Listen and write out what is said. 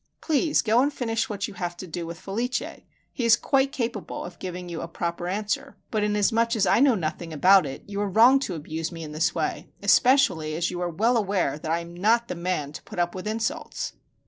Please go and finish what you have to do with Felice. He is quite capable of giving you a proper answer; but inasmuch as I know nothing about it, you are wrong to abuse me in this way, especially as you are well aware that I am not the man to put up with insults."